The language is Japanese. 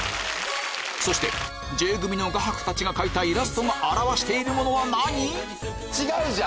そしてＪ組の画伯たちが描いたイラストが表しているものは何？